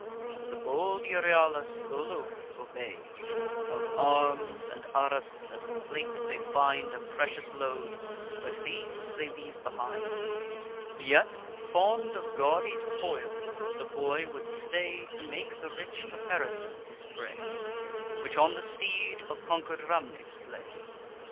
The bold Euryalus, tho' loth, obey'd. Of arms, and arras, and of plate, they find A precious load; but these they leave behind. Yet, fond of gaudy spoils, the boy would stay To make the rich caparison his prey, Which on the steed of conquer'd Rhamnes lay.